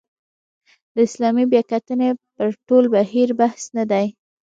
د اسلامي بیاکتنې پر ټول بهیر بحث نه دی.